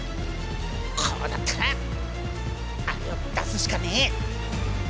こうなったらあれを出すしかねえ！